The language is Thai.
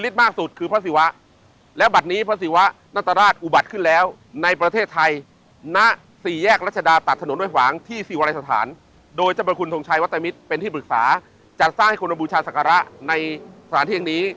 จัดสร้างให้คนบูชาศักระในสถานที่อย่างนี้